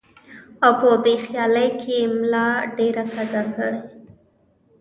او پۀ بې خيالۍ کښې ملا ډېره کږه کړي ـ